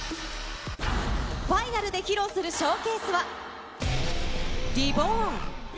ファイナルで披露するショーケースは、リボーン。